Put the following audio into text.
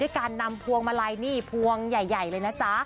การนำพวงมาลัยนี่พวงใหญ่เลยนะจ๊ะ